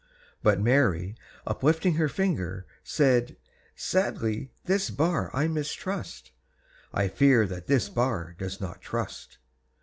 But Mary, uplifting her finger, Said: "Sadly this bar I mistrust, I fear that this bar does not trust.